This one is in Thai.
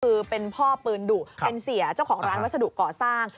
คือเป็นพ่อปืนดุเป็นเสียเจ้าของร้านวัสดุก่อสร้าง